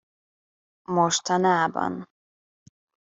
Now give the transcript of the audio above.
Mostanában?